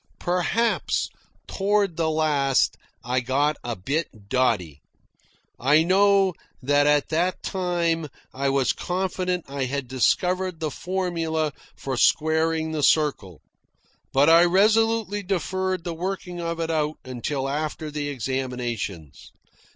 Perhaps, toward the last, I got a bit dotty. I know that at the time I was confident, I had discovered the formula for squaring the circle; but I resolutely deferred the working of it out until after the examinations.